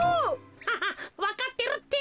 ハハわかってるって。